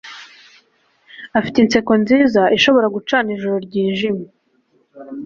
afite inseko nziza ishobora gucana ijoro ryijimye